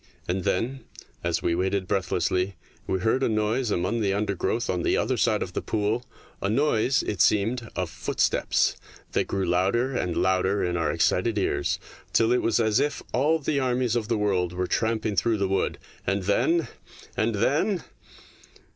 And then, as we waited breathlessly, we heard a noise among the undergrowth on the other side of the pool a noise, it seemed, of footsteps, that grew louder and louder in our excited ears, till it was as if all the armies of the world were tramping through the wood. And then ... and then